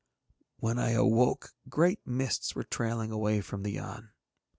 When I awoke great mists were trailing away from the Yann.